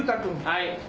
はい。